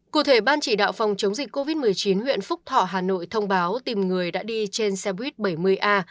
cụ thể ban chỉ đạo phòng chống dịch covid một mươi chín huyện phúc thọ hà nội thông báo tìm người đã đi trên xe buýt bảy mươi a